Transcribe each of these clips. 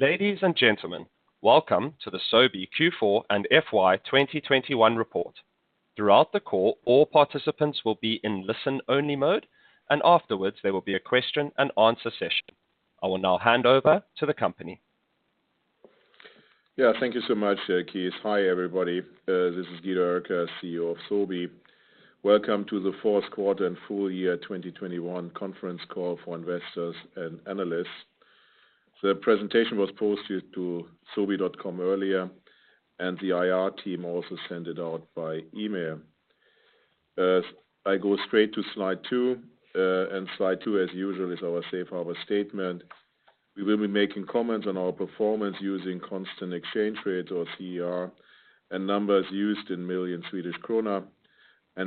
Ladies and gentlemen, welcome to the Sobi Q4 and FY 2021 report. Throughout the call, all participants will be in listen-only mode, and afterwards there will be a question and answer session. I will now hand over to the company. Yeah. Thank you so much, Keith. Hi, everybody. This is Guido Oelkers, CEO of Sobi. Welcome to the fourth quarter and full year 2021 conference call for investors and analysts. The presentation was posted to sobi.com earlier, and the IR team also sent it out by email. As I go straight to slide two, and slide two, as usual, is our safe harbor statement. We will be making comments on our performance using constant exchange rate or CER and numbers used in million Swedish krona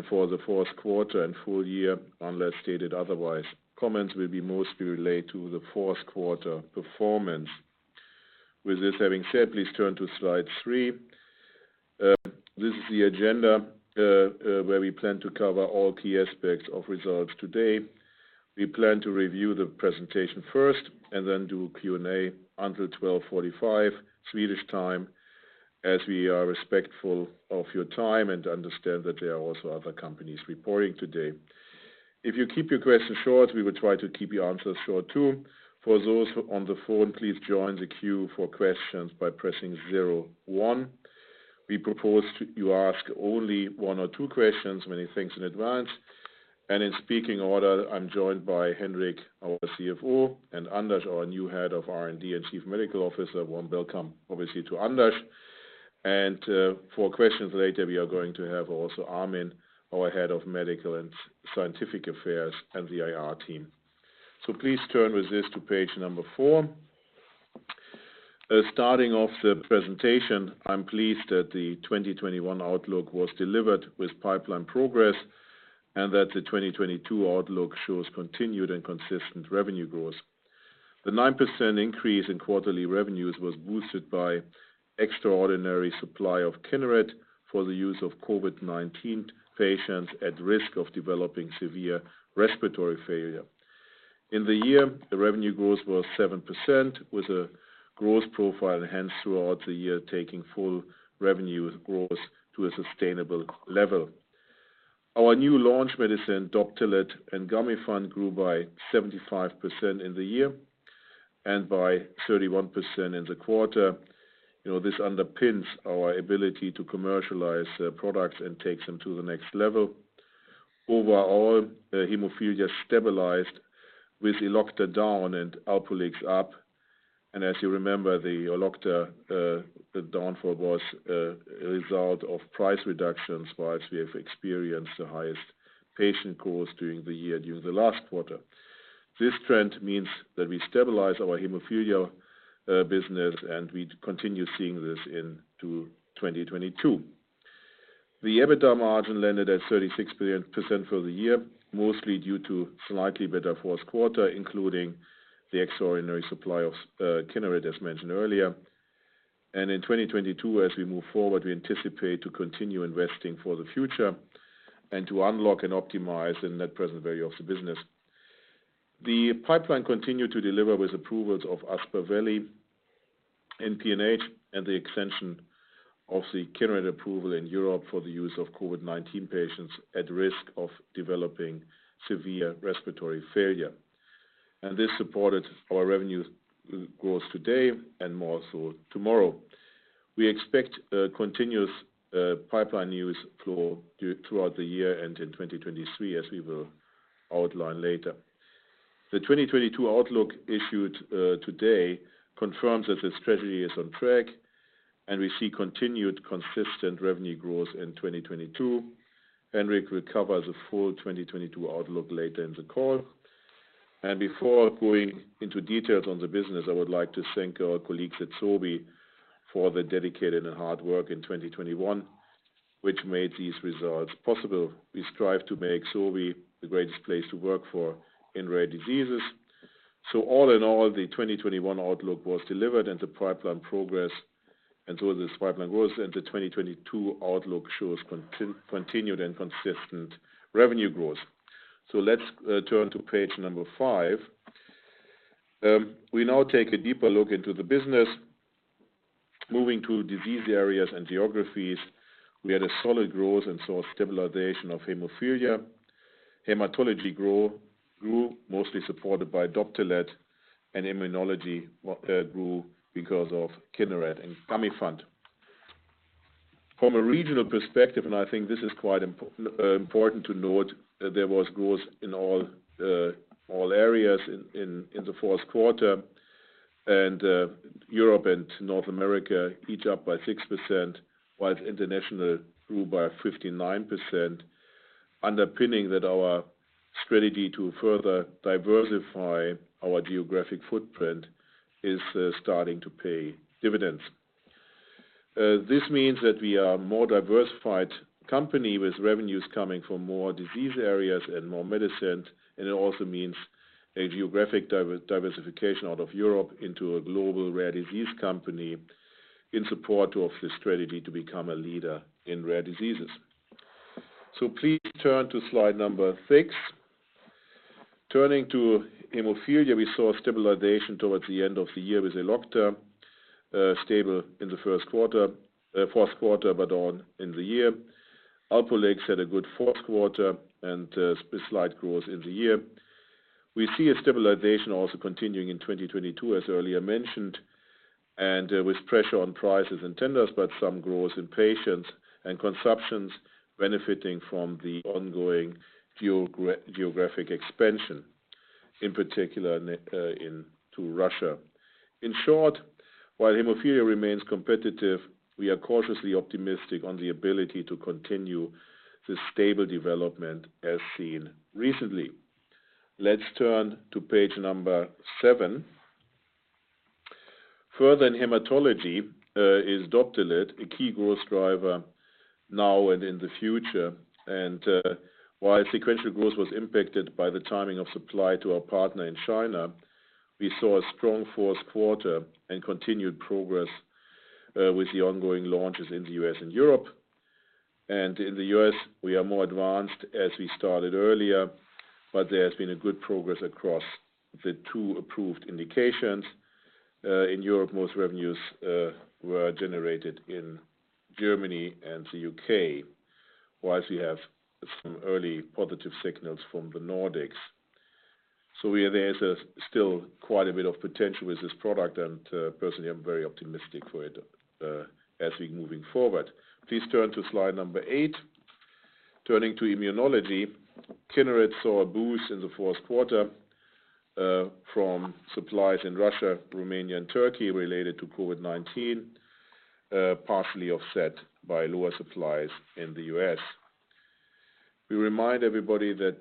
for the fourth quarter and full- year, unless stated otherwise. Comments will mostly relate to the fourth quarter performance. With that said, please turn to slide three. This is the agenda, where we plan to cover all key aspects of results today. We plan to review the presentation first and then do Q&A until 12:45 Swedish time as we are respectful of your time and understand that there are also other companies reporting today. If you keep your questions short, we will try to keep your answers short too. For those on the phone, please join the queue for questions by pressing zero one. We propose you ask only one or two questions, many thanks in advance. In speaking order, I'm joined by Henrik, our CFO, and Anders, our new Head of R&D and Chief Medical Officer. Warm welcome, obviously, to Anders. For questions later, we are going to have also Armin, our Head of Medical and Scientific Affairs and the IR team. Please turn to page number four. Starting off the presentation, I'm pleased that the 2021 outlook was delivered with pipeline progress and that the 2022 outlook shows continued and consistent revenue growth. The 9% increase in quarterly revenues was boosted by extraordinary supply of Kineret for the use of COVID-19 patients at risk of developing severe respiratory failure. In the year, the revenue growth was 7%, with a growth profile hence throughout the year, taking full revenue growth to a sustainable level. Our new launch medicine, Doptelet and Gamifant, grew by 75% in the year and by 31% in the quarter. You know, this underpins our ability to commercialize products and take them to the next level. Overall, hemophilia stabilized with Elocta down and Alprolix up. As you remember, the Elocta, the downfall was a result of price reductions, while we have experienced the highest patient cost during the year, during the last quarter. This trend means that we stabilize our hemophilia business and we continue seeing this into 2022. The EBITDA margin landed at 36% for the year, mostly due to slightly better fourth quarter, including the extraordinary supply of Kineret, as mentioned earlier. In 2022, as we move forward, we anticipate to continue investing for the future and to unlock and optimize the net present value of the business. The pipeline continued to deliver with approvals of Aspaveli in PNH and the extension of the Kineret approval in Europe for the use of COVID-19 patients at risk of developing severe respiratory failure. This supported our revenue growth today and more so tomorrow. We expect a continuous pipeline news flow throughout the year and in 2023, as we will outline later. The 2022 outlook issued today confirms that the strategy is on track and we see continued consistent revenue growth in 2022. Henrik will cover the full 2022 outlook later in the call. Before going into details on the business, I would like to thank our colleagues at Sobi for the dedicated and hard work in 2021, which made these results possible. We strive to make Sobi the greatest place to work for in rare diseases. All in all, the 2021 outlook was delivered and the pipeline progress and so this pipeline grows and the 2022 outlook shows continued and consistent revenue growth. Let's turn to page five. We now take a deeper look into the business. Moving to disease areas and geographies, we had a solid growth and saw stabilization of hemophilia. Hematology grew mostly supported by Doptelet and immunology grew because of Kineret and Gamifant. From a regional perspective, I think this is quite important to note, there was growth in all areas in the fourth quarter. Europe and North America each up by 6%, whilst international grew by 59%, underpinning that our strategy to further diversify our geographic footprint is starting to pay dividends. This means that we are more diversified company with revenues coming from more disease areas and more medicines, and it also means a geographic diversification out of Europe into a global rare disease company in support of the strategy to become a leader in rare diseases. Please turn to slide number six. Turning to hemophilia, we saw stabilization towards the end of the year with Elocta stable in the first quarter, fourth quarter, but down in the year. Alprolix had a good fourth quarter and slight growth in the year. We see a stabilization also continuing in 2022, as earlier mentioned, and with pressure on prices and tenders, but some growth in patients and consumption benefiting from the ongoing geographic expansion, in particular into Russia. In short, while hemophilia remains competitive, we are cautiously optimistic on the ability to continue the stable development as seen recently. Let's turn to page seven. Further in hematology, Doptelet is a key growth driver now and in the future. While sequential growth was impacted by the timing of supply to our partner in China, we saw a strong fourth quarter and continued progress with the ongoing launches in the U.S. and Europe. In the U.S., we are more advanced as we started earlier, but there has been a good progress across the two approved indications. In Europe, most revenues were generated in Germany and the U.K., while we have some early positive signals from the Nordics. There is still quite a bit of potential with this product, and personally, I'm very optimistic for it as we're moving forward. Please turn to slide eight. Turning to immunology, Kineret saw a boost in the fourth quarter from supplies in Russia, Romania, and Turkey related to COVID-19, partially offset by lower supplies in the U.S. We remind everybody that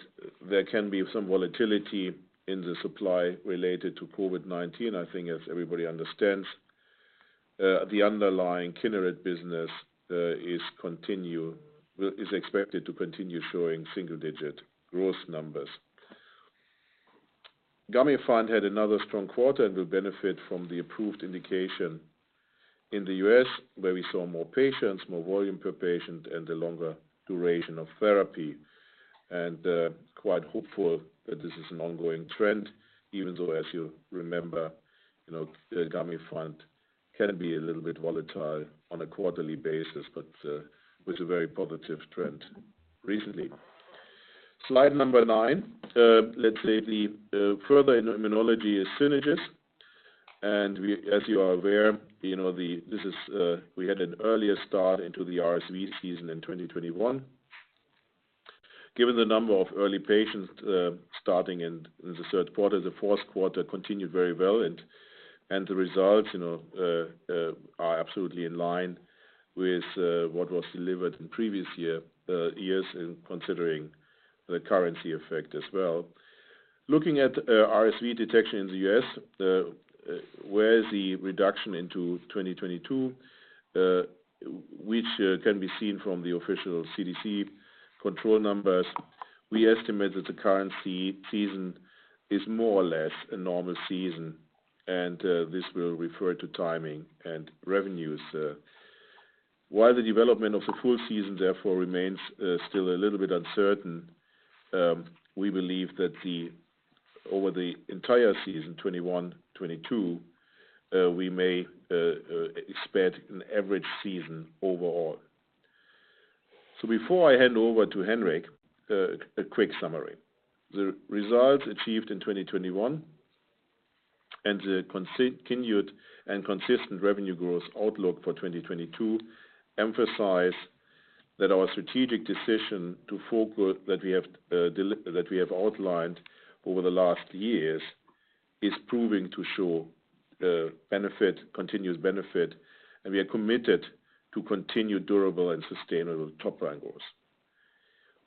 there can be some volatility in the supply related to COVID-19. I think as everybody understands, the underlying Kineret business is expected to continue showing single-digit growth numbers. Gamifant had another strong quarter and will benefit from the approved indication in the U.S., where we saw more patients, more volume per patient, and a longer duration of therapy. We are quite hopeful that this is an ongoing trend, even though, as you remember, you know, Gamifant can be a little bit volatile on a quarterly basis. With a very positive trend recently. Slide number nine. Let's say the further in immunology is Synagis. As you are aware, you know, this is, we had an earlier start into the RSV season in 2021. Given the number of early patients starting in the third quarter, the fourth quarter continued very well. The results, you know, are absolutely in line with what was delivered in previous years considering the currency effect as well. Looking at RSV detection in the U.S., where the reduction into 2022, which can be seen from the official CDC control numbers, we estimate that the current season is more or less a normal season, and this will refer to timing and revenues. While the development of the full season therefore remains still a little bit uncertain, we believe that over the entire season, 2021, 2022, we may expect an average season overall. Before I hand over to Henrik, a quick summary. The results achieved in 2021 and the continued and consistent revenue growth outlook for 2022 emphasize that our strategic decision to focus that we have outlined over the last years is proving to show benefit, continuous benefit, and we are committed to continue durable and sustainable top-line goals.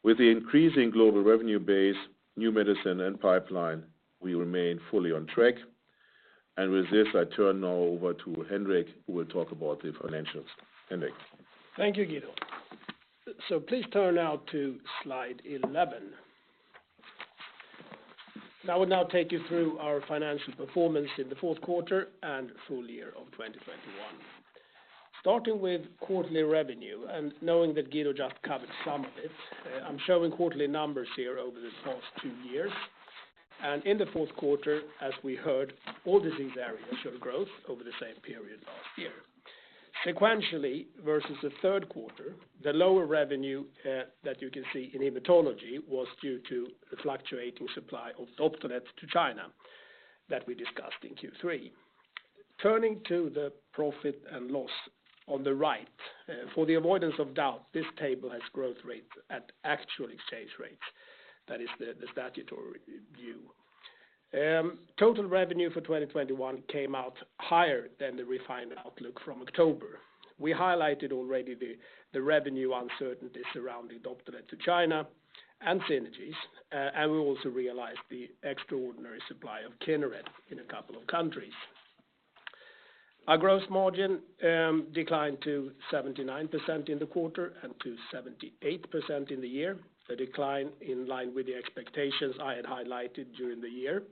With the increasing global revenue base, new medicine and pipeline, we remain fully on track. With this, I turn now over to Henrik, who will talk about the financials. Henrik. Thank you, Guido. Please turn now to slide 11. I will now take you through our financial performance in the fourth quarter and full- year of 2021. Starting with quarterly revenue and knowing that Guido just covered some of it, I'm showing quarterly numbers here over the past two years. In the fourth quarter, as we heard, all disease areas showed growth over the same period last year. Sequentially, versus the third quarter, the lower revenue that you can see in hematology was due to the fluctuating supply of Doptelet to China that we discussed in Q3. Turning to the profit and loss on the right, for the avoidance of doubt, this table has growth rates at actual exchange rates. That is the statutory view. Total revenue for 2021 came out higher than the refined outlook from October. We highlighted already the revenue uncertainty surrounding Doptelet to China and Synagis, and we also realized the extraordinary supply of Kineret in a couple of countries. Our gross margin declined to 79% in the quarter and to 78% in the year. The decline was in line with the expectations I had highlighted during the year.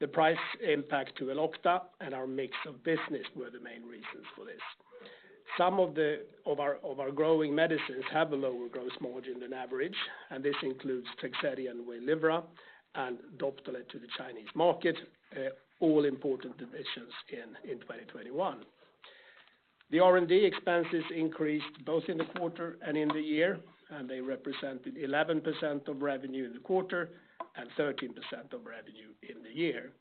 The price impact to Elocta and our mix of business were the main reasons for this. Some of our growing medicines have a lower gross margin than average, and this includes Tegsedi and Waylivra and Doptelet to the Chinese market, all important additions in 2021. The R&D expenses increased both in the quarter and in the year, and they represented 11% of revenue in the quarter and 13% of revenue in the year.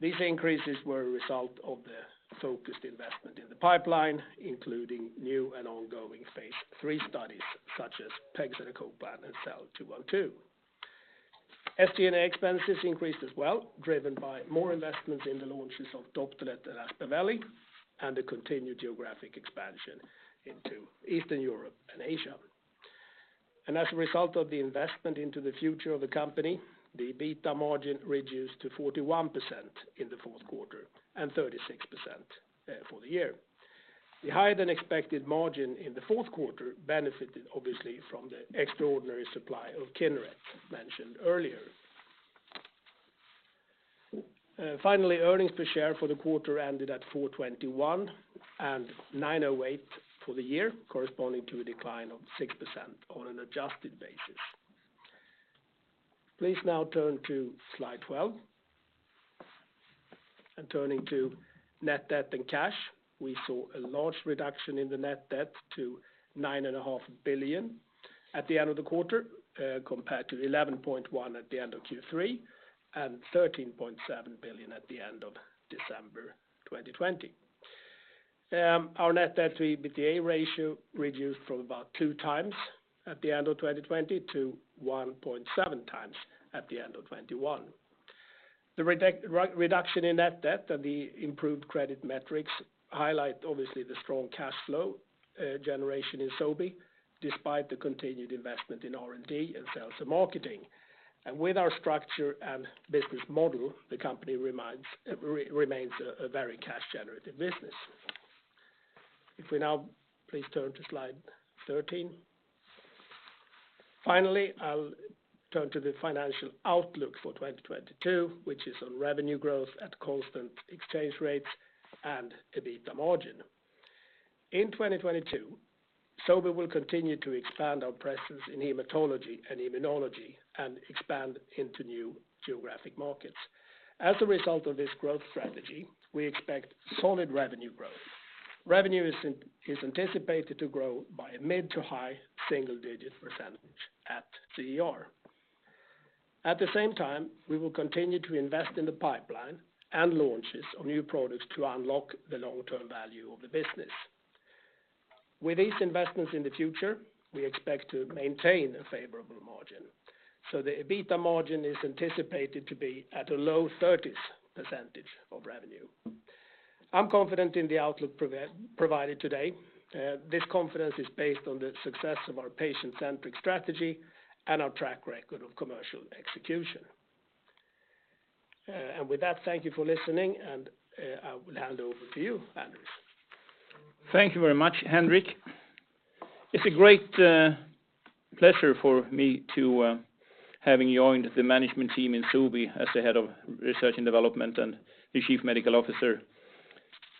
These increases were a result of the focused investment in the pipeline, including new and ongoing phase III studies such as pegcetacoplan and SEL-212. SG&A expenses increased as well, driven by more investments in the launches of Doptelet and Aspaveli and the continued geographic expansion into Eastern Europe and Asia. The EBITDA margin reduced to 41% in the fourth quarter and 36% for the year. The higher than expected margin in the fourth quarter benefited obviously from the extraordinary supply of Kineret mentioned earlier. Finally, earnings per share for the quarter ended at 4.21 and 9.08 for the year, corresponding to a decline of 6% on an adjusted basis. Please now turn to slide 12. Turning to net debt and cash, we saw a large reduction in the net debt to 9.5 billion at the end of the quarter, compared to 11.1 billion at the end of Q3 and 13.7 billion at the end of December 2020. Our net debt to EBITDA ratio reduced from about 2x at the end of 2020 to 1.7x at the end of 2021. The reduction in net debt and the improved credit metrics highlight obviously the strong cash flow generation in Sobi despite the continued investment in R&D and sales and marketing. With our structure and business model, the company remains a very cash generative business. If we now please turn to slide 13. Finally, I'll turn to the financial outlook for 2022, which is on revenue growth at constant exchange rates and EBITDA margin. In 2022, Sobi will continue to expand our presence in hematology and immunology and expand into new geographic markets. As a result of this growth strategy, we expect solid revenue growth. Revenue is anticipated to grow by a mid- to high single-digit % at CER. At the same time, we will continue to invest in the pipeline and launches of new products to unlock the long-term value of the business. With these investments in the future, we expect to maintain a favorable margin. The EBITDA margin is anticipated to be at a low 30s % of revenue. I'm confident in the outlook provided today. This confidence is based on the success of our patient-centric strategy and our track record of commercial execution. With that, thank you for listening, and I will hand over to you, Anders. Thank you very much, Henrik. It's a great pleasure for me to having joined the management team in Sobi as the Head of Research and Development and the Chief Medical Officer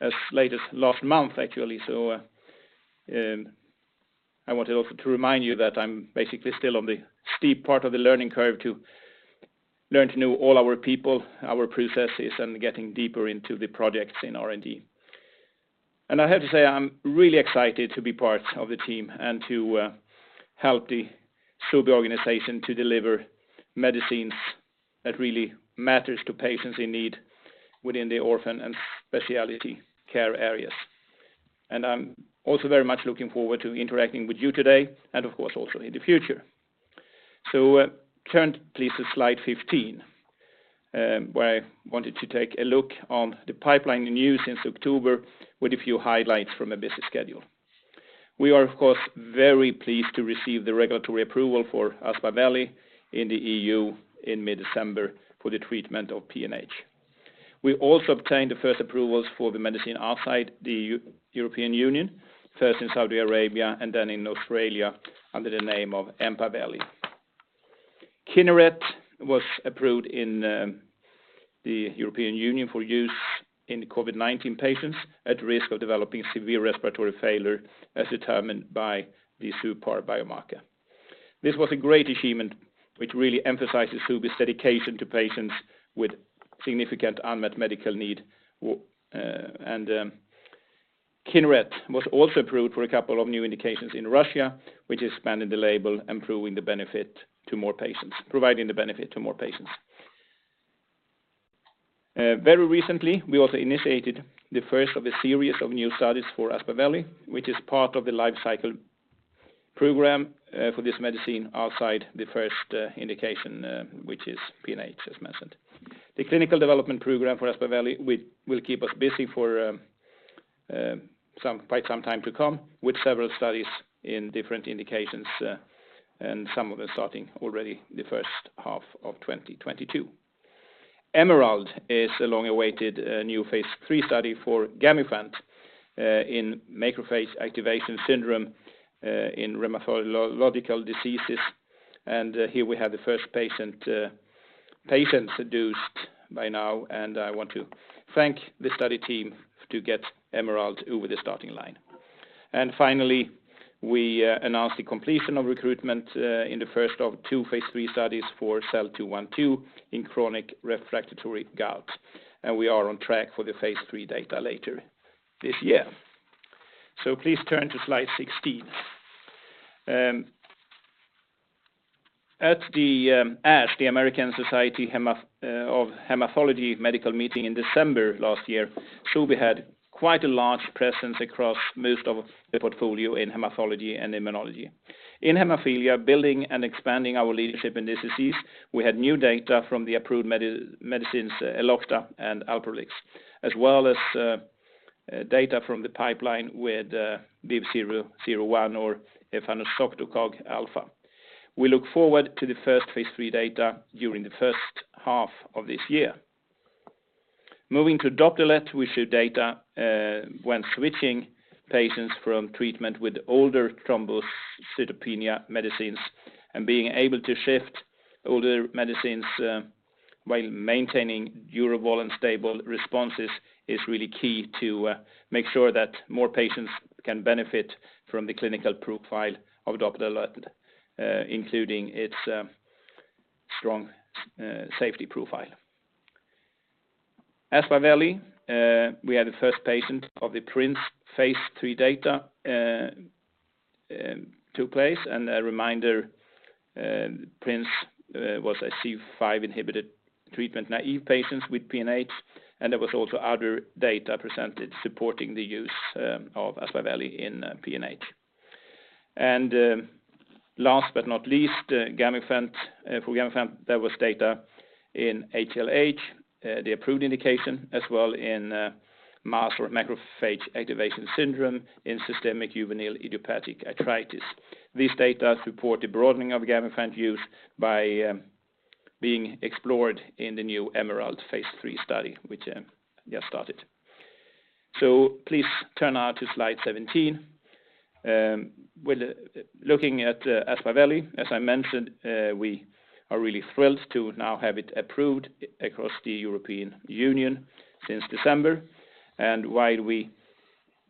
as late as last month, actually. I want to also remind you that I'm basically still on the steep part of the learning curve to learn to know all our people, our processes, and getting deeper into the projects in R&D. I have to say, I'm really excited to be part of the team and to help the Sobi organization to deliver medicines that really matters to patients in need within the orphan and specialty care areas. I'm also very much looking forward to interacting with you today and of course also in the future. Turn please to slide 15, where I wanted to take a look on the pipeline news since October with a few highlights from a busy schedule. We are of course very pleased to receive the regulatory approval for Aspaveli in the EU in mid-December for the treatment of PNH. We also obtained the first approvals for the medicine outside the European Union, first in Saudi Arabia and then in Australia under the name of Empaveli. Kineret was approved in the European Union for use in COVID-19 patients at risk of developing severe respiratory failure as determined by the suPAR biomarker. This was a great achievement which really emphasizes Sobi's dedication to patients with significant unmet medical need. Kineret was also approved for a couple of new indications in Russia, which expanded the label, improving the benefit to more patients, providing the benefit to more patients. Very recently, we also initiated the first of a series of new studies for Aspaveli, which is part of the life cycle program for this medicine outside the first indication, which is PNH, as mentioned. The clinical development program for Aspaveli will keep us busy for quite some time to come with several studies in different indications, and some of them starting already the first half of 2022. EMERALD is a long-awaited new phase III study for Gamifant in macrophage activation syndrome in rheumatological diseases. Here we have the first patients dosed by now, and I want to thank the study team to get EMERALD over the starting line. Finally, we announced the completion of recruitment in the first of two phase III studies for SEL-212 in chronic refractory gout. We are on track for the phase III data later this year. Please turn to slide 16. At the ASH, the American Society of Hematology medical meeting in December last year, Sobi had quite a large presence across most of the portfolio in hematology and immunology. In hemophilia, building and expanding our leadership in this disease, we had new data from the approved medicines Elocta and Alprolix, as well as data from the pipeline with BIVV001 or efanesoctocog alfa. We look forward to the first phase III data during the first half of this year. Moving to Doptelet, we show data when switching patients from treatment with older thrombocytopenia medicines and being able to shift older medicines while maintaining durable and stable responses is really key to make sure that more patients can benefit from the clinical profile of Doptelet including its strong safety profile. As for Empaveli, we had the first patient of the PRINCE phase III data took place. A reminder, PRINCE was a C3 inhibitor treatment-naïve patients with PNH, and there was also other data presented supporting the use of Aspaveli in PNH. Last but not least, Gamifant. For Gamifant, there was data in HLH, the approved indication, as well in MAS or macrophage activation syndrome in systemic juvenile idiopathic arthritis. These data support the broadening of Gamifant use by being explored in the new EMERALD phase III study, which just started. Please turn now to slide 17. Looking at Aspaveli, as I mentioned, we are really thrilled to now have it approved across the European Union since December. While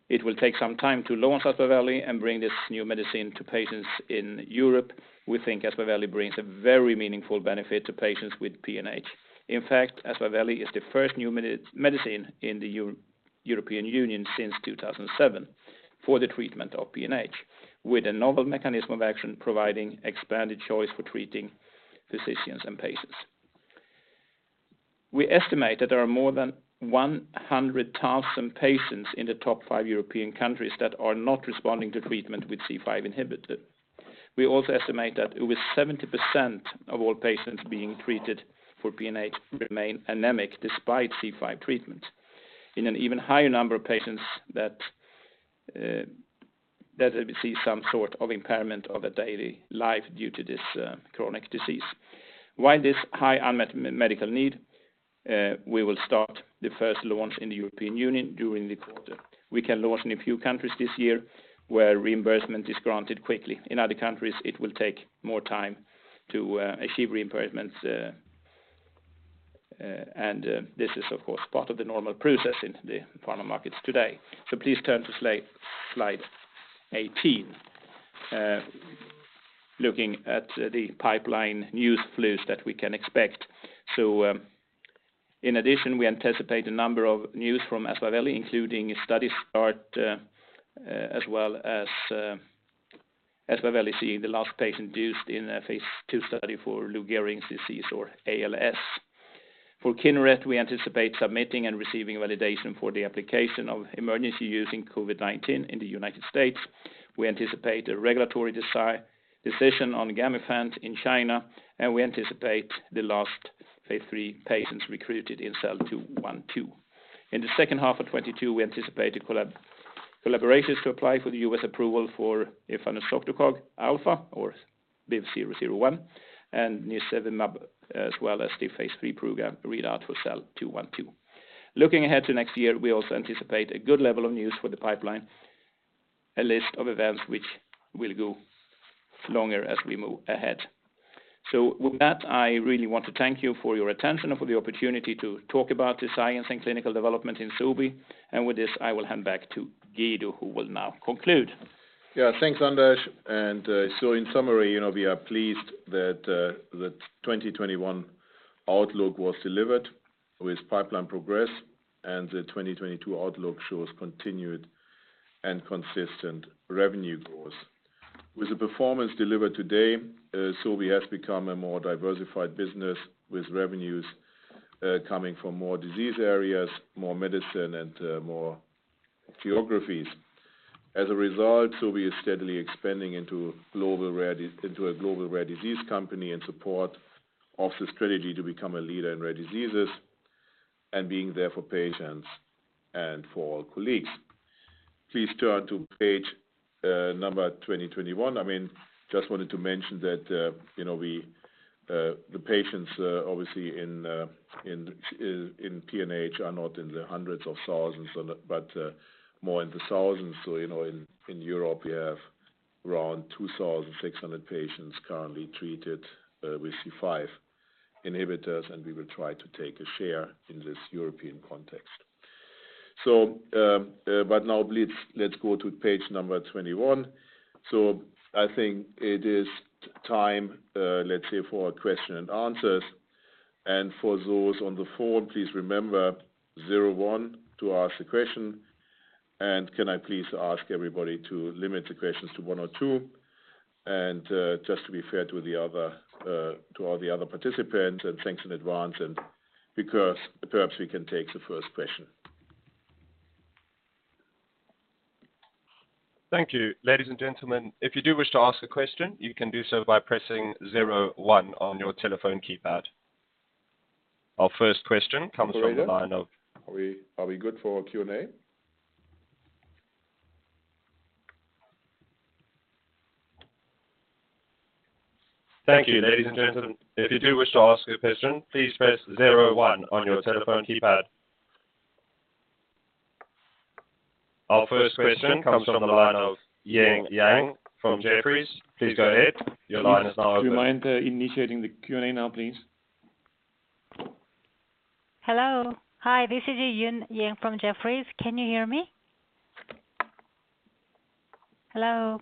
it will take some time to launch Aspaveli and bring this new medicine to patients in Europe, we think Aspaveli brings a very meaningful benefit to patients with PNH. In fact, Aspaveli is the first new medicine in the European Union since 2007 for the treatment of PNH, with a novel mechanism of action providing expanded choice for treating physicians and patients. We estimate that there are more than 100,000 patients in the top five European countries that are not responding to treatment with C5 inhibitor. We also estimate that over 70% of all patients being treated for PNH remain anemic despite C5 treatment. In an even higher number of patients that we see some sort of impairment of their daily life due to this chronic disease. While this high unmet medical need, we will start the first launch in the European Union during the quarter. We can launch in a few countries this year where reimbursement is granted quickly. In other countries, it will take more time to achieve reimbursements. This is of course part of the normal process in the pharma markets today. Please turn to slide 18. Looking at the pipeline news flows that we can expect. In addition, we anticipate a number of news from Aspaveli, including a study start, as well as, Aspaveli seeing the last patient dosed in a phase II study for Lou Gehrig's disease or ALS. For Kineret, we anticipate submitting and receiving validation for the application of emergency use in COVID-19 in the United States. We anticipate a regulatory decision on Gamifant in China, and we anticipate the last phase III patients recruited in SEL-212. In the second half of 2022, we anticipate collaborations to apply for the U.S. approval for efanesoctocog alfa or BIVV001 and nirsevimab as well as the phase III readout for SEL-212. Looking ahead to next year, we also anticipate a good level of news for the pipeline, a list of events which will go longer as we move ahead. With that, I really want to thank you for your attention and for the opportunity to talk about the science and clinical development in Sobi. With this, I will hand back to Guido, who will now conclude. Yeah. Thanks, Anders. In summary, you know, we are pleased that the 2021 outlook was delivered with pipeline progress, and the 2022 outlook shows continued and consistent revenue growth. With the performance delivered today, Sobi has become a more diversified business with revenues coming from more disease areas, more medicine and more geographies. As a result, Sobi is steadily expanding into a global rare disease company in support of the strategy to become a leader in rare diseases and being there for patients and for our colleagues. Please turn to page number 2021. I mean, just wanted to mention that, you know, the patients obviously in PNH are not in the hundreds of thousands but more in the thousands. You know, in Europe, you have around 2,600 patients currently treated with C5 inhibitors, and we will try to take a share in this European context. But now let's go to page number 21. I think it is time, let's say for question and answers. For those on the phone, please remember 01 to ask the question. Can I please ask everybody to limit the questions to one or two, and just to be fair to all the other participants? Thanks in advance, and because perhaps we can take the first question. Thank you. Ladies and gentlemen, if you do wish to ask a question, you can do so by pressing zero one on your telephone keypad. Our first question comes from the line of Are we good for Q&A? Thank you. Ladies and gentlemen, if you do wish to ask a question, please press zero one on your telephone keypad. Our first question comes from the line of Eun Yang from Jefferies. Please go ahead. Your line is now open. Do you mind initiating the Q&A now, please? Hello. Hi, this is Eun Yang from Jefferies. Can you hear me? Hello.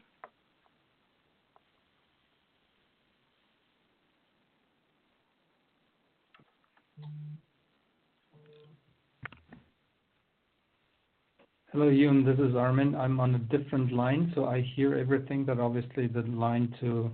Hello, Eun, this is Armin. I'm on a different line, so I hear everything, but obviously the line to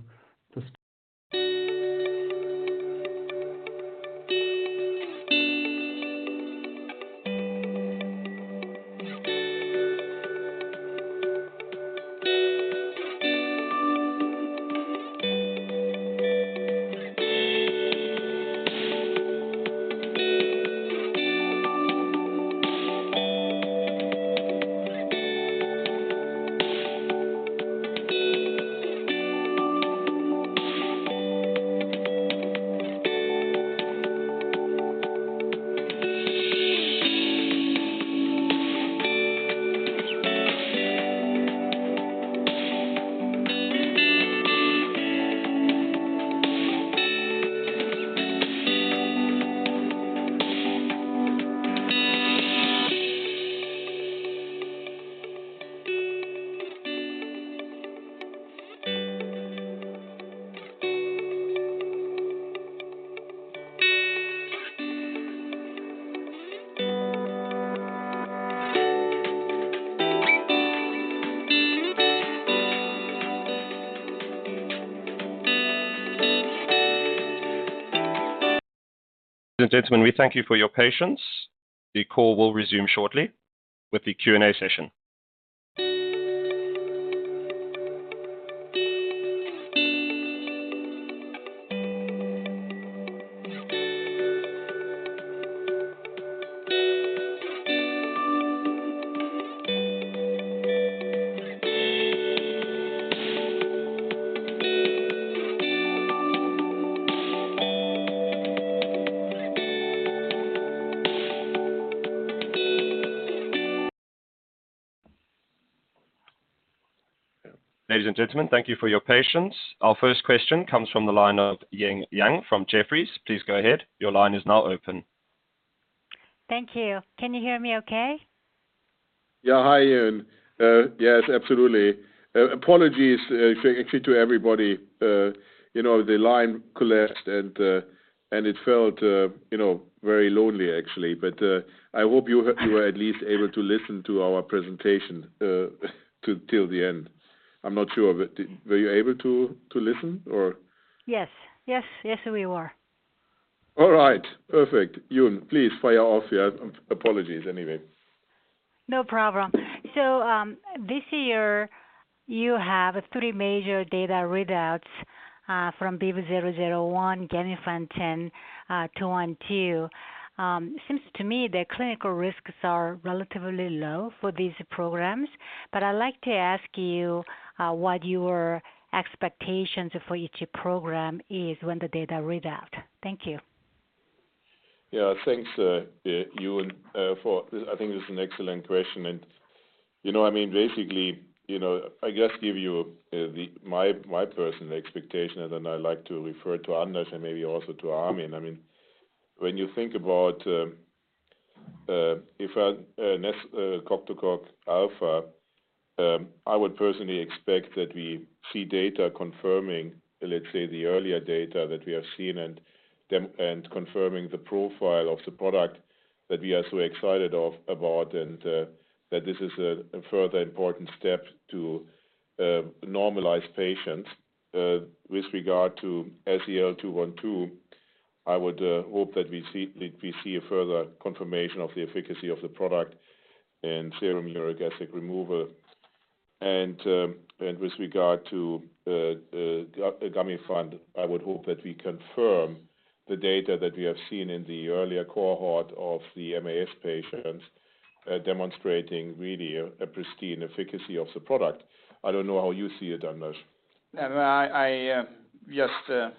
the. Ladies and gentlemen thank you for your patience the call will resume shortly with the Q and A session. Our first question comes from the line of Eun Yang from Jefferies. Please go ahead. Your line is now open. Thank you. Can you hear me okay? Yeah. Hi, Eun. Yes, absolutely. Apologies, actually to everybody. You know, the line collapsed and it felt you know, very lonely, actually. I hope you were at least able to listen to our presentation till the end. I'm not sure. Were you able to listen or? Yes. Yes. Yes, we were. All right. Perfect. Eun, please fire off. Yeah. Apologies anyway. No problem. This year you have three major data readouts from BIVV001, Gamifant ten, SEL-212. It seems to me the clinical risks are relatively low for these programs. I'd like to ask you what your expectations for each program is when the data read out. Thank you. Yeah, thanks, Eun Yang, for the question. I think this is an excellent question and, you know, I mean, basically, you know, I just give you my personal expectation and then I like to refer to Anders and maybe also to Armin. I mean, when you think about efanesoctocog alfa, I would personally expect that we see data confirming, let's say, the earlier data that we have seen and confirming the profile of the product that we are so excited about, and that this is a further important step to normalize patients. With regard to SEL-212, I would hope that we see a further confirmation of the efficacy of the product and serum uric acid removal. With regard to Gamifant, I would hope that we confirm the data that we have seen in the earlier cohort of the MAS patients, demonstrating really a pristine efficacy of the product. I don't know how you see it, Anders. Yeah, but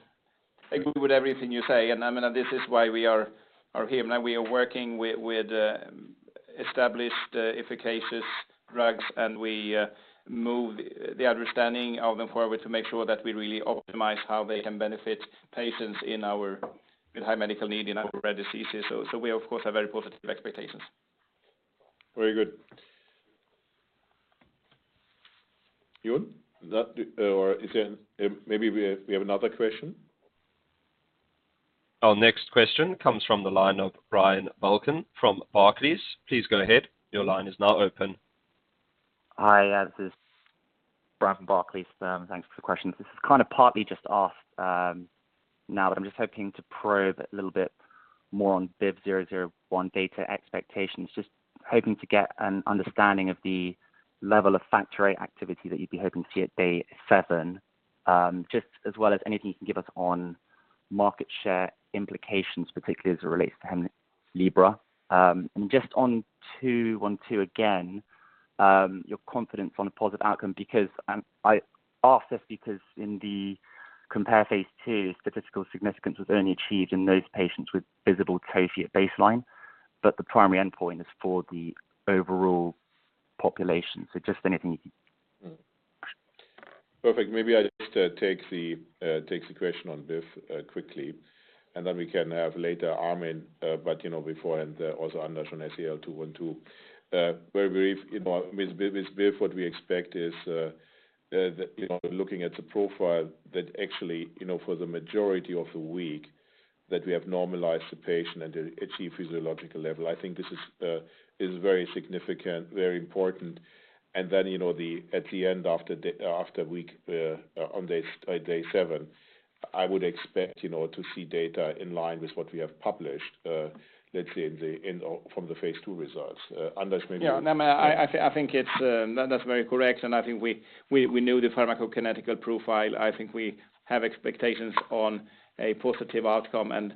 I just agree with everything you say. I mean, this is why we are here now. We are working with established, efficacious drugs, and we move the understanding of them forward to make sure that we really optimize how they can benefit patients with high medical need in our rare diseases. We of course have very positive expectations. Very good. Jon, maybe we have another question. Our next question comes from the line of Brian Balchin from Barclays. Please go ahead. Your line is now open. Hi, this is Brian Balchin from Barclays. Thanks for the questions. This is kind of partly just asked now, but I'm just hoping to probe a little bit more on BIVV001 data expectations. Just hoping to get an understanding of the level of factor activity that you'd be hoping to see at day seven, just as well as anything you can give us on market share implications, particularly as it relates to Hemlibra. And just on SEL-212 again, your confidence on a positive outcome because I ask this because in the COMPARE phase II, statistical significance was only achieved in those patients with visible tophi at baseline, but the primary endpoint is for the overall population. Just anything you can- Perfect. Maybe I just take the question on BIV quickly, and then we can have later Armin, but you know, beforehand, also Anders on SEL-212. Very brief, you know, with BIV what we expect is, you know, looking at the profile that actually, you know, for the majority of the week that we have normalized the patient and they achieve physiological level. I think this is very significant, very important. You know, at the end of the day after week on day seven, I would expect, you know, to see data in line with what we have published, let's say in or from the phase II results. Anders maybe- Yeah. No, I think that's very correct. I think we know the pharmacokinetic profile. I think we have expectations on a positive outcome, and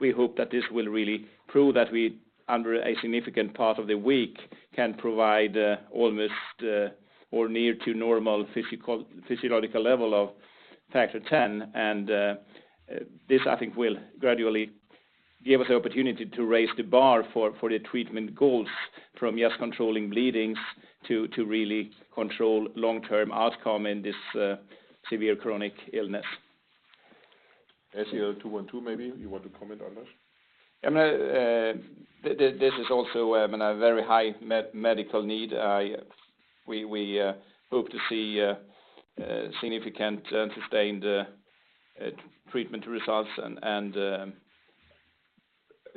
we hope that this will really prove that we, under a significant part of the week, can provide almost or near to normal physiological level of Factor VIII. This, I think, will gradually give us the opportunity to raise the bar for the treatment goals from just controlling bleedings to really control long-term outcome in this severe chronic illness. SEL-212, maybe you want to comment on that. I mean, this is also a very high medical need. We hope to see significant and sustained treatment results and,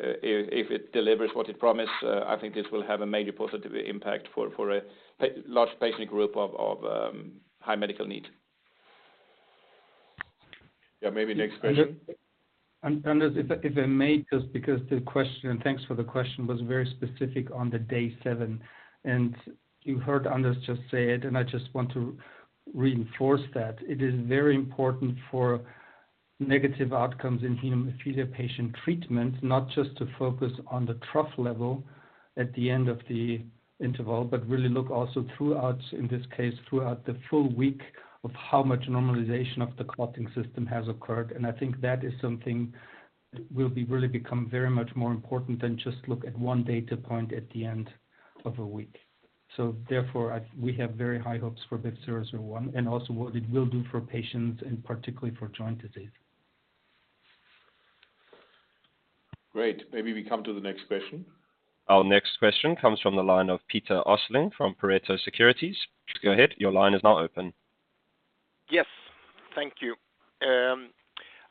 if it delivers what it promise, I think this will have a major positive impact for a large patient group of high medical need. Yeah, maybe next question Anders, if I may, just because the question, and thanks for the question, was very specific on the day seven. You heard Anders just say it, and I just want to reinforce that. It is very important for negative outcomes in hemophilia patient treatment, not just to focus on the trough level at the end of the interval, but really look also throughout, in this case, throughout the full week of how much normalization of the clotting system has occurred. I think that is something that will really become very much more important than just look at one data point at the end of a week. Therefore, we have very high hopes for BIVV001 and also what it will do for patients and particularly for joint disease. Great. Maybe we come to the next question. Our next question comes from the line of Peter Östling from Pareto Securities. Please go ahead. Your line is now open. Yes. Thank you.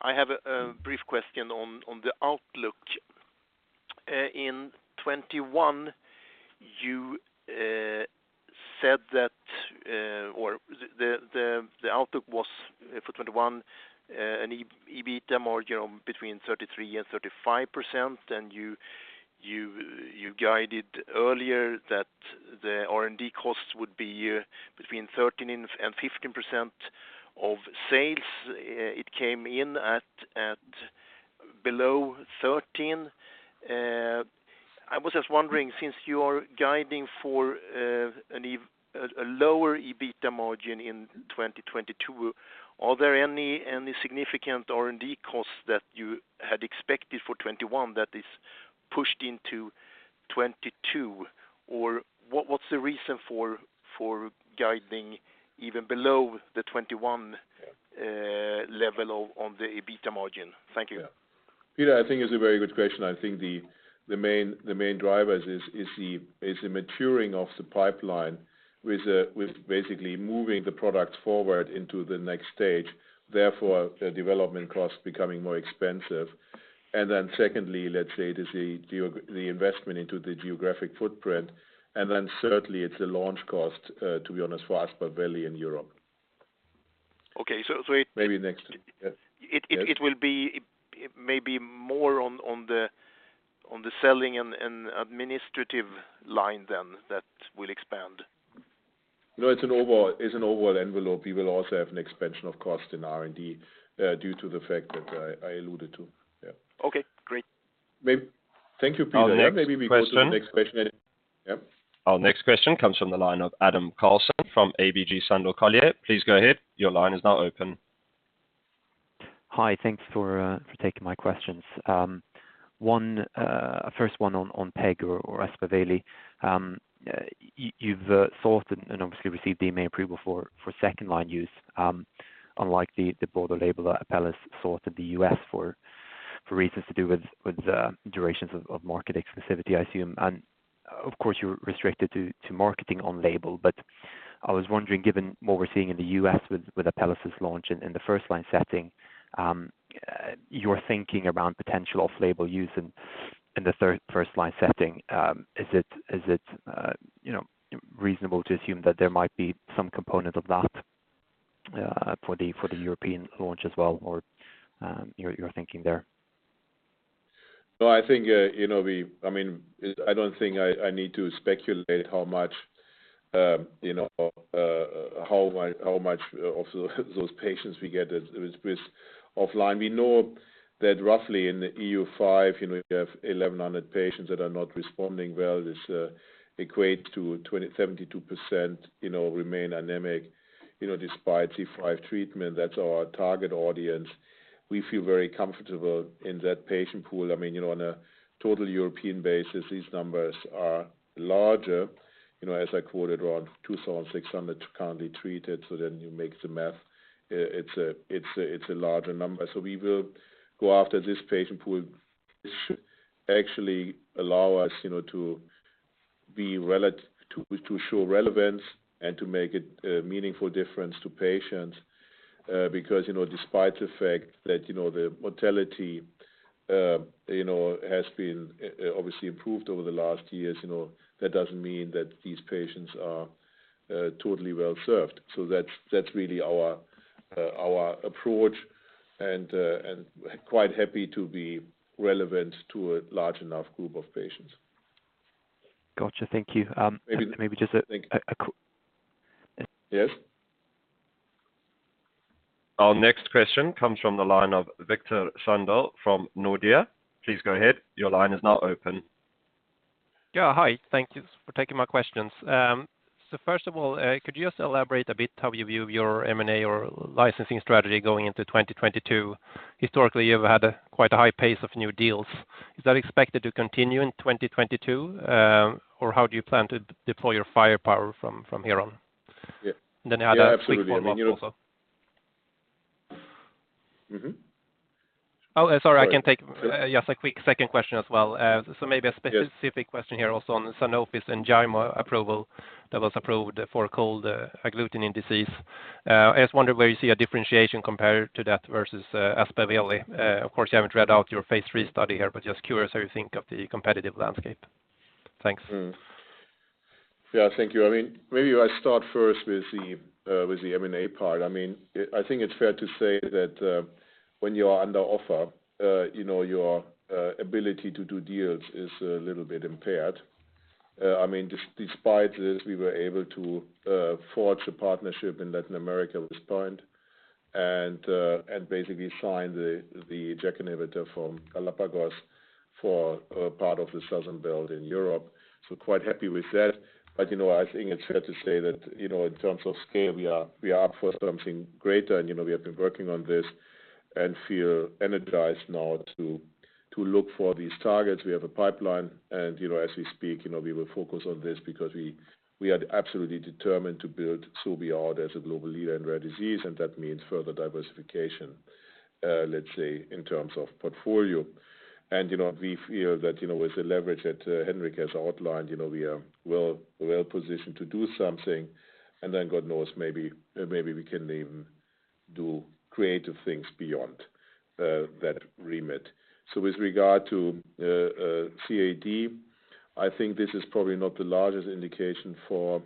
I have a brief question on the outlook. In 2021, you said that the outlook was for 2021, an EBITDA margin between 33%-35%. You guided earlier that the R&D costs would be between 13%-15% of sales. It came in at below 13%. I was just wondering, since you are guiding for a lower EBITDA margin in 2022, are there any significant R&D costs that you had expected for 2021 that is pushed into 2022? Or what's the reason for guiding even below the 2021- Yeah. Level of on the EBITDA margin? Thank you. Yeah. Peter, I think it's a very good question. I think the main drivers is the maturing of the pipeline with basically moving the product forward into the next stage, therefore the development costs becoming more expensive. Secondly, let's say it is the geographic investment into the geographic footprint. Then certainly it's a launch cost, to be honest, for Aspaveli in Europe. Okay. It Maybe next. Yes. It will be maybe more on the selling and administrative line than that will expand. No, it's an overall envelope. We will also have an expansion of cost in R&D due to the fact that I alluded to. Yeah. Okay, great. Thank you, Peter. Our next question. Yeah. Maybe we go to the next question and. Our next question comes from the line of Adam Karlsson from ABG Sundal Collier. Please go ahead. Your line is now open. Hi. Thanks for taking my questions. First one on Aspaveli. You've sought and obviously received the MA approval for second line use, unlike the broader label that Apellis sought in the U.S. for reasons to do with durations of market exclusivity, I assume. Of course, you're restricted to marketing on label. I was wondering, given what we're seeing in the U.S. with Apellis' launch in the first line setting, your thinking around potential off-label use in the first line setting, is it you know, reasonable to assume that there might be some component of that for the European launch as well or your thinking there? No, I think, you know, I mean, I don't think I need to speculate how much, you know, how much of those patients we get with off-label. We know that roughly in the EU5, you know, we have 1,100 patients that are not responding well. This equates to 27.2% remain anemic, you know, despite C5 treatment. That's our target audience. We feel very comfortable in that patient pool. I mean, you know, on a total European basis, these numbers are larger, you know, as I quoted, around 2,600 currently treated, so then you make the math. It's a larger number. We will go after this patient pool. This should actually allow us, you know, to be relat... To show relevance and to make a meaningful difference to patients, because, you know, despite the fact that, you know, the mortality, you know, has been obviously improved over the last years, you know, that doesn't mean that these patients are totally well served. That's really our approach and quite happy to be relevant to a large enough group of patients. Gotcha. Thank you. Maybe- Maybe just a- Thank you.... a q- Yes. Our next question comes from the line of Viktor Sundberg from Nordea. Please go ahead. Your line is now open. Yeah. Hi. Thank you for taking my questions. First of all, could you just elaborate a bit how you view your M&A or licensing strategy going into 2022? Historically, you've had quite a high pace of new deals. Is that expected to continue in 2022, or how do you plan to deploy your firepower from here on? Yeah. Add a quick follow-up also. Yeah, absolutely. You know. Oh, sorry. Go ahead. I can take just a quick second question as well. Maybe a- Yes... specific question here also on Sanofi's Enjaymo approval that was approved for cold agglutinin disease. I was wondering where you see a differentiation compared to that versus Aspaveli. Of course, you haven't read out your phase III study here, but just curious how you think of the competitive landscape. Thanks. Thank you. I mean, maybe I start first with the M&A part. I mean, I think it's fair to say that when you are under offer, you know, your ability to do deals is a little bit impaired. I mean, despite this, we were able to forge a partnership in Latin America at this point and basically sign the JAK inhibitor from Galapagos for part of the southern belt in Europe, so quite happy with that. You know, I think it's fair to say that in terms of scale, we are up for something greater and we have been working on this and feel energized now to look for these targets. We have a pipeline and, you know, as we speak, you know, we will focus on this because we are absolutely determined to build so we are as a global leader in rare disease, and that means further diversification, let's say, in terms of portfolio. You know, we feel that, you know, with the leverage that Henrik has outlined, you know, we are well positioned to do something, and then God knows maybe we can even do creative things beyond that remit. With regard to CAD, I think this is probably not the largest indication for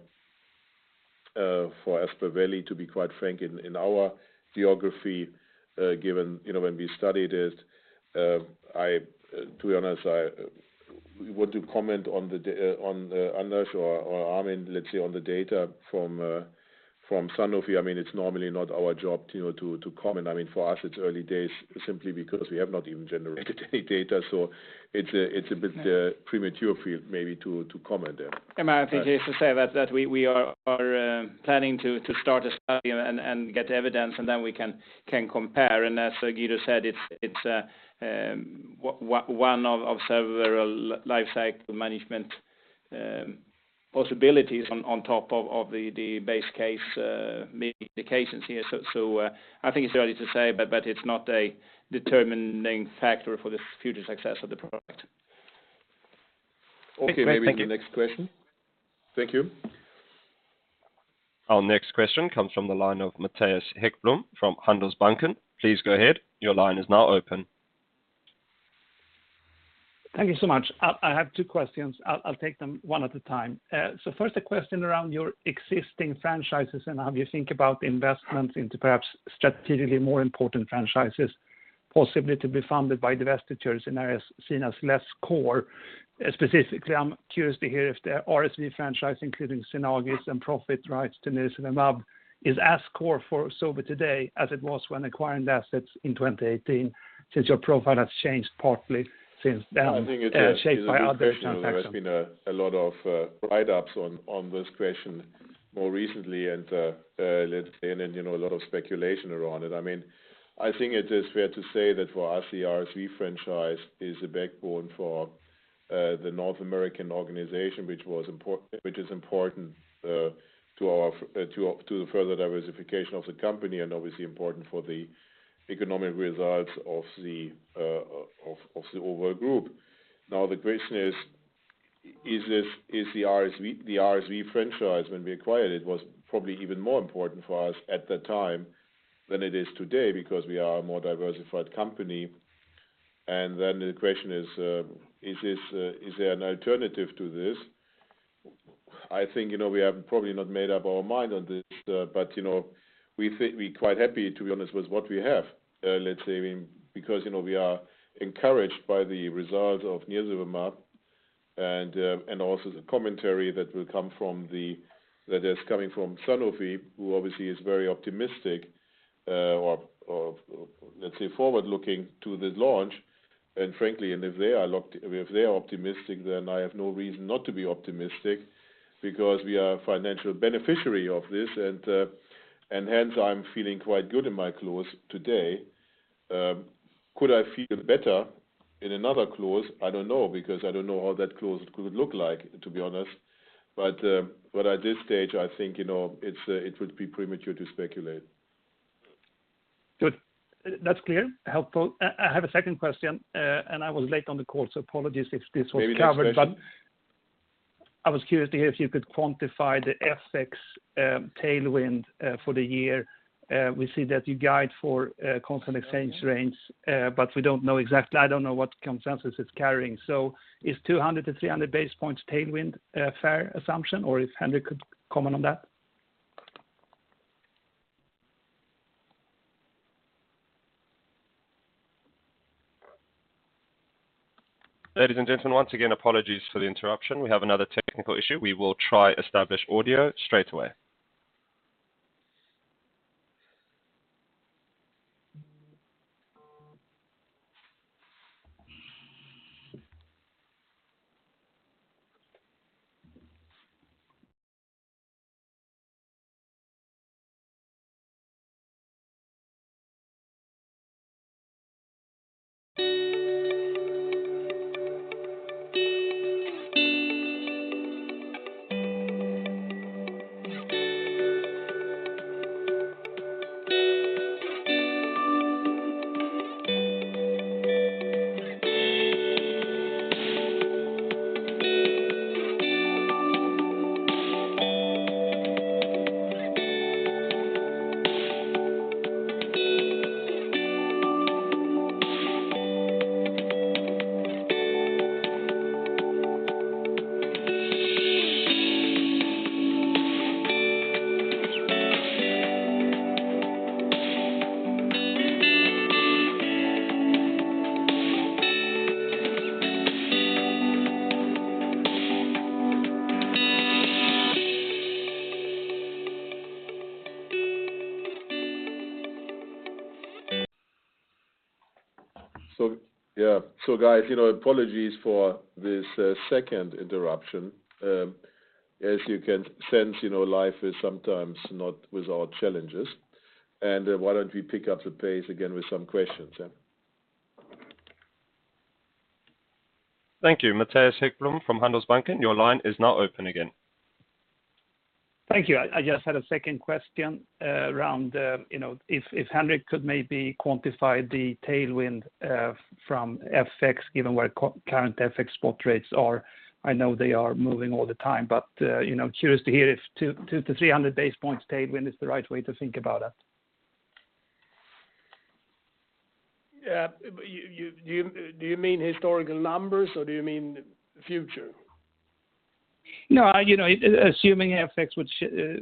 Aspaveli, to be quite frank, in our geography, given. You know, when we studied it, to be honest, I. Would you comment on the data. On Anders or Armin, let's say, on the data from Sanofi. I mean, it's normally not our job, you know, to comment. I mean, for us, it's early days simply because we have not even generated any data. It's a bit premature for you maybe to comment there. I mean, I think just to say that we are planning to start a study and get evidence, and then we can compare. As Guido said, it's one of several lifecycle management possibilities on top of the base case indications here. I think it's early to say, but it's not a determining factor for the future success of the product. Okay. Maybe the next question. Great. Thank you. Thank you. Our next question comes from the line of Mattias Häggblom from Handelsbanken. Please go ahead. Your line is now open. Thank you so much. I have two questions. I'll take them one at a time. First, a question around your existing franchises and how you think about investments into perhaps strategically more important franchises, possibly to be funded by divestitures in areas seen as less core. Specifically, I'm curious to hear if the RSV franchise, including Synagis and profit rights to nirsevimab, is as core for Sobi today as it was when acquiring the assets in 2018, since your profile has changed partly since then, shaped by other transactions. I think it is a good question. There's been a lot of write-ups on this question more recently, and let's say, you know, a lot of speculation around it. I mean, I think it is fair to say that for us, the RSV franchise is a backbone for the North American organization, which is important to the further diversification of the company, and obviously important for the economic results of the overall group. Now, the question is the RSV franchise when we acquired it was probably even more important for us at that time than it is today because we are a more diversified company. The question is there an alternative to this? I think, you know, we have probably not made up our mind on this, but, you know, we're quite happy, to be honest, with what we have, let's say. I mean, because, you know, we are encouraged by the results of nirsevimab and also the commentary that is coming from Sanofi, who obviously is very optimistic, or let's say forward-looking to the launch. Frankly, if they are optimistic, then I have no reason not to be optimistic because we are a financial beneficiary of this. Hence, I'm feeling quite good in my clothes today. Could I feel better in another clothes? I don't know, because I don't know how that clothes could look like, to be honest. At this stage, I think, you know, it would be premature to speculate. Good. That's clear. Helpful. I have a second question, and I was late on the call, so apologies if this was covered. Maybe the next question. I was curious to hear if you could quantify the FX tailwind for the year. We see that you guide for constant exchange rates, but we don't know exactly. I don't know what consensus is carrying. Is 200-300 basis points tailwind a fair assumption, or if Henrik could comment on that? Ladies and gentlemen, once again, apologies for the interruption. We have another technical issue. We will try to establish audio straight away. Guys, you know, apologies for this second interruption. As you can sense, you know, life is sometimes not without challenges. Why don't we pick up the pace again with some questions, yeah. Thank you. Mattias Häggblom from Handelsbanken, your line is now open again. Thank you. I just had a second question around you know if Henrik could maybe quantify the tailwind from FX given where current FX spot rates are. I know they are moving all the time but you know curious to hear if 200-300 basis points tailwind is the right way to think about that. Yeah. Do you mean historical numbers or do you mean future? No, I, you know, assuming FX would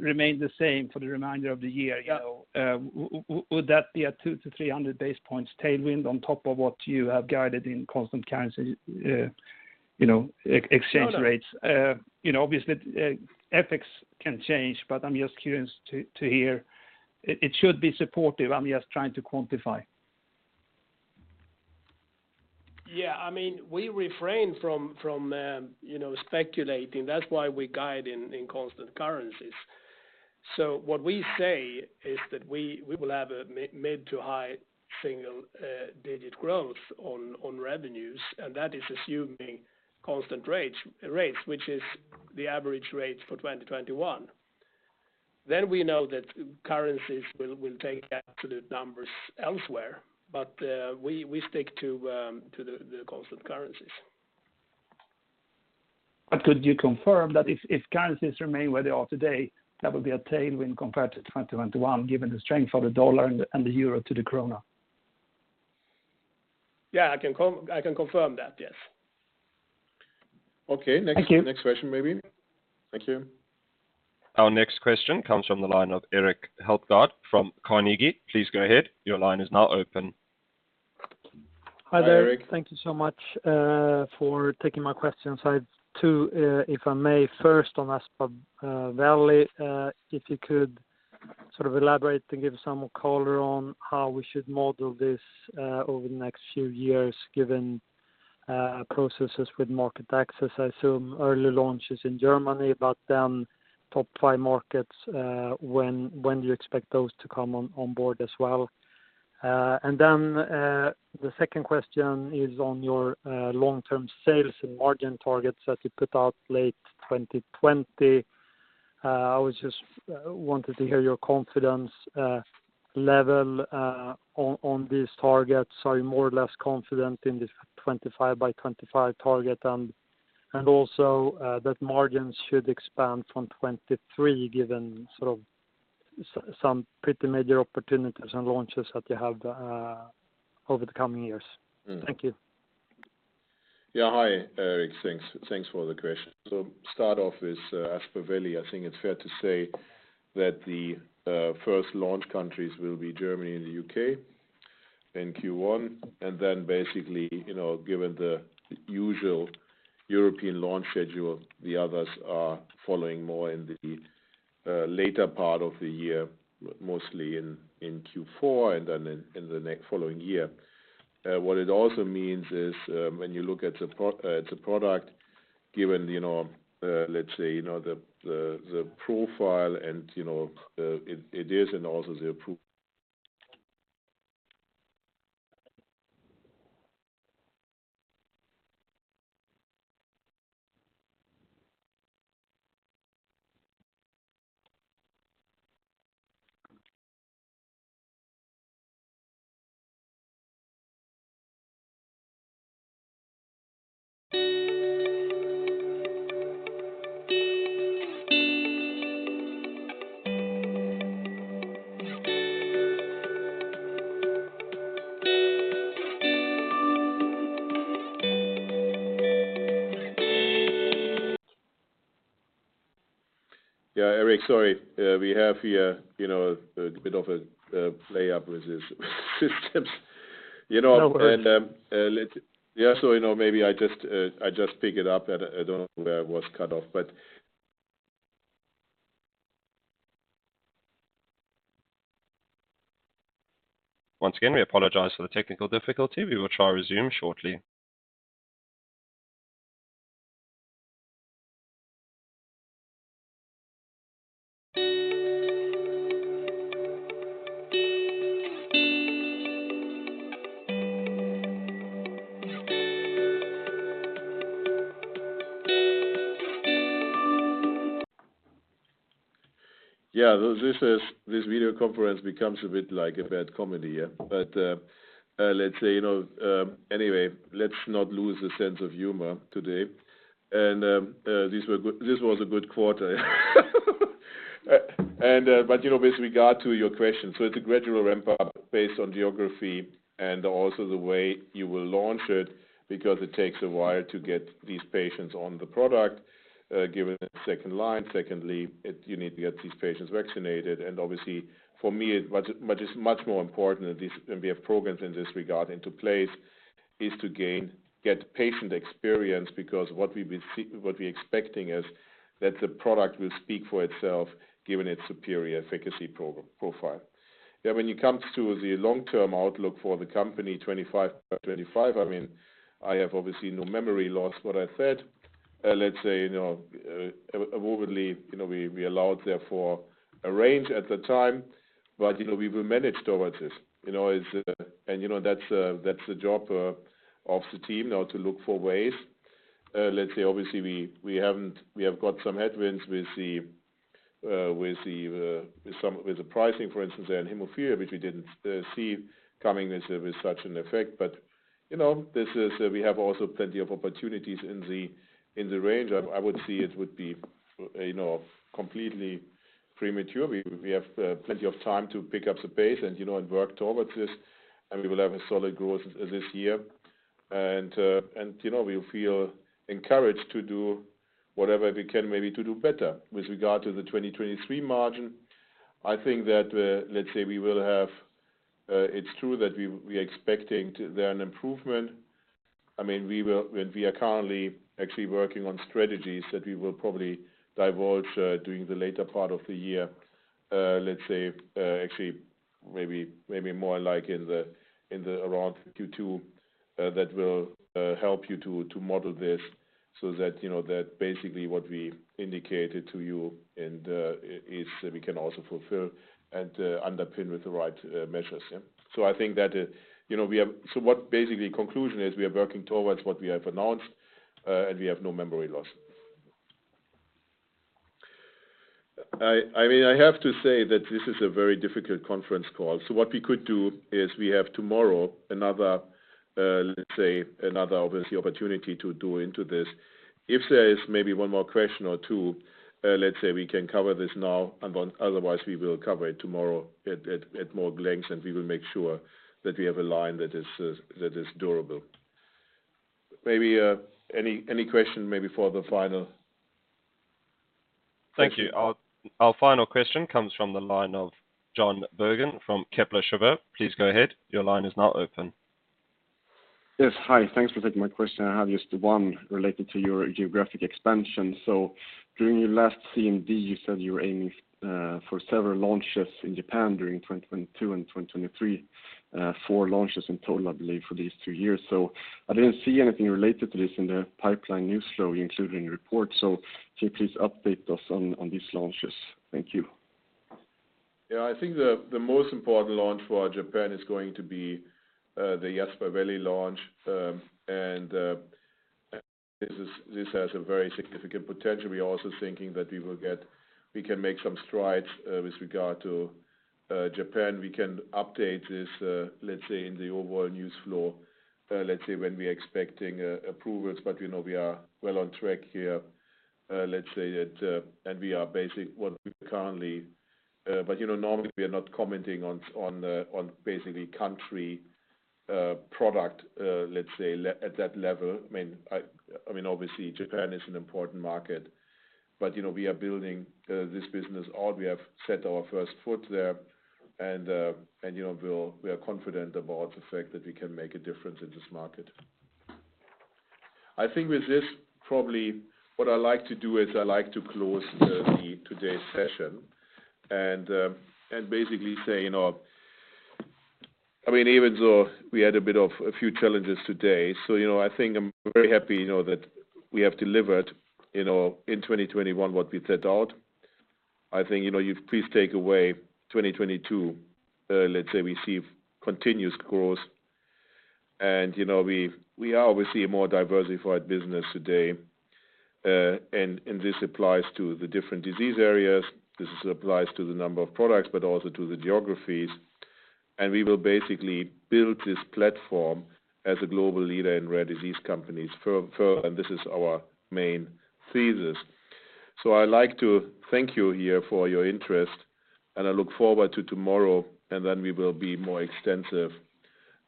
remain the same for the remainder of the year. Yeah. You know, would that be a 200-300 basis points tailwind on top of what you have guided in constant currency, you know, ex-exchange rates? No, no. You know, obviously, FX can change, but I'm just curious to hear. It should be supportive. I'm just trying to quantify. Yeah. I mean, we refrain from you know speculating. That's why we guide in constant currencies. What we say is that we will have a mid to high single digit growth on revenues, and that is assuming constant rates, which is the average rates for 2021. We know that currencies will take that to the numbers elsewhere, but we stick to the constant currencies. Could you confirm that if currencies remain where they are today, that would be a tailwind compared to 2021, given the strength of the dollar and the euro to the krona? Yeah, I can confirm that. Yes. Okay. Thank you. Next question maybe. Thank you. Our next question comes from the line of Erik Hultgård from Carnegie. Please go ahead. Your line is now open. Hi, Erik. Thank you so much for taking my questions. I've two, if I may. First on Aspaveli, if you could sort of elaborate and give some color on how we should model this over the next few years, given processes with market access. I assume early launches in Germany, but then top five markets, when do you expect those to come on, onboard as well? And then, the second question is on your long-term sales and margin targets that you put out late 2020. I was just wanting to hear your confidence level on these targets. Are you more or less confident in this 25 by 25 target? Also, that margins should expand from 23%, given sort of some pretty major opportunities and launches that you have over the coming years. Mm. Thank you. Hi, Erik Hultgård. Thanks for the question. Start off with Aspaveli. I think it's fair to say that the first launch countries will be Germany and the U.K. in Q1. Then basically, you know, given the usual European launch schedule, the others are following more in the later part of the year, mostly in Q4 and then in the next following year. What it also means is, when you look at the product, given, you know, let's say, you know, the profile and, you know, it is and also the. Erik, sorry. We have here, you know, a bit of a playback with these systems, you know. No worries. You know, maybe I just pick it up. I don't know where I was cut off, but. Once again, we apologize for the technical difficulty. We will try to resume shortly. This video conference becomes a bit like a bad comedy, yeah. Let's say, you know, anyway, let's not lose a sense of humor today. This was a good quarter. You know, with regard to your question, it's a gradual ramp up based on geography and also the way you will launch it, because it takes a while to get these patients on the product, given it's second line. Secondly, you need to get these patients vaccinated. Obviously, for me, it is much more important, and we have programs in this regard in place to get patient experience, because what we're expecting is that the product will speak for itself, given its superior efficacy profile. Yeah. When it comes to the long-term outlook for the company, 25 by 25, I mean, I have obviously no memory loss what I said. Let's say, you know, overly, you know, we allowed there for a range at the time, but, you know, we will manage towards this. You know, it's the job of the team, you know, to look for ways. Let's say, obviously we have got some headwinds with the pricing, for instance, and hemophilia, which we didn't see coming as with such an effect. You know, this is, we have also plenty of opportunities in the range. I would see it would be, you know, completely premature. We have plenty of time to pick up the pace and, you know, work towards this. We will have a solid growth this year. You know, we feel encouraged to do whatever we can maybe to do better. With regard to the 2023 margin, I think that, let's say we will have, it's true that we are expecting an improvement. I mean, we are currently actually working on strategies that we will probably divulge during the later part of the year, let's say, actually maybe more like in and around Q2, that will help you to model this so that, you know, that basically what we indicated to you and is we can also fulfill and underpin with the right measures, yeah. I think that we have the basic conclusion is, we are working towards what we have announced, and we have no memory loss. I mean, I have to say that this is a very difficult conference call. What we could do is we have tomorrow another, let's say, another obvious opportunity to dive into this. If there is maybe one more question or two, let's say we can cover this now and otherwise we will cover it tomorrow at greater length, and we will make sure that we have a line that is that is durable. Maybe any question maybe for the final Thank you. Our final question comes from the line of Jon Berggren from Kepler Cheuvreux. Please go ahead. Your line is now open. Yes. Hi. Thanks for taking my question. I have just one related to your geographic expansion. During your last CMD, you said you were aiming for several launches in Japan during 2022 and 2023,four launches in total, I believe, for these two years. I didn't see anything related to this in the pipeline news flow you included in the report. Can you please update us on these launches? Thank you. Yeah. I think the most important launch for Japan is going to be the Aspaveli launch. This has a very significant potential. We're also thinking that we will get. We can make some strides with regard to Japan. We can update this, let's say, in the overall news flow, let's say when we're expecting approvals, but you know we are well on track here. Let's say that. We are basically what we currently, but you know normally we are not commenting on basically country, product, let's say at that level. I mean, obviously Japan is an important market, but, you know, we are building this business or we have set our first foot there and, you know, we are confident about the fact that we can make a difference in this market. I think with this probably what I like to do is I like to close today's session and basically say, you know, I mean, even though we had a bit of a few challenges today, so, you know, I think I'm very happy, you know, that we have delivered, you know, in 2021 what we set out. I think, you know, you please take away 2022, let's say we see continuous growth and, you know, we are obviously a more diversified business today. This applies to the different disease areas. This applies to the number of products, but also to the geographies. We will basically build this platform as a global leader in rare disease companies. This is our main thesis. I like to thank you here for your interest, and I look forward to tomorrow, and then we will be more extensive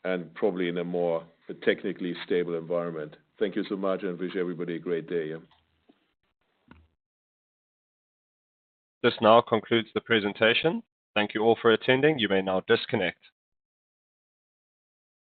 and probably in a more technically stable environment. Thank you so much, and I wish everybody a great day. Yeah. This now concludes the presentation. Thank you all for attending. You may now disconnect.